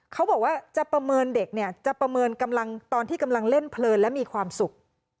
เขาบอกว่าจะประเมินเด็กเนี่ยจะประเมินกำลังตอนที่กำลังเล่นเพลินและมีความสุข